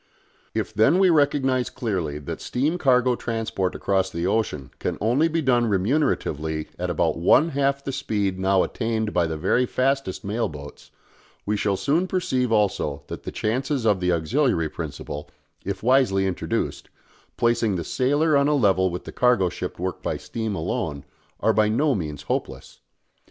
If then we recognise clearly that steam cargo transport across the ocean can only be done remuneratively at about one half the speed now attained by the very fastest mail boats, we shall soon perceive also that the chances of the auxiliary principle, if wisely introduced, placing the "sailer" on a level with the cargo ship worked by steam alone, are by no means hopeless.